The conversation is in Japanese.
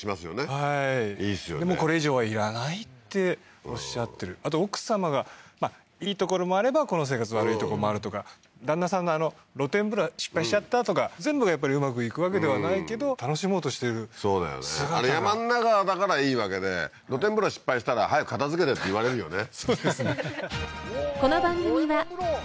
はいでもこれ以上はいらないっておっしゃってるあと奥さまがまあいいところもあればこの生活悪いとこもあるとか旦那さんの露天風呂失敗しちゃったとか全部がやっぱりうまくいくわけではないけど楽しもうとしている姿があれ山ん中だからいいわけで露天風呂が失敗したら早く片づけてって言われるよね